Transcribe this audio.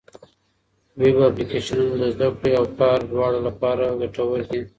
ویب اپلېکېشنونه د زده کړې او کار دواړو لپاره ګټور دي.